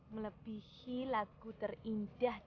melebihi lagu saya yang saya ingin menulisnya